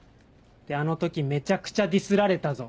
ってあの時めちゃくちゃディスられたぞ。